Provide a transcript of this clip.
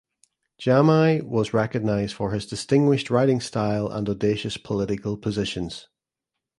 Jamai was recognized for his distinguished writing style and audacious political positions.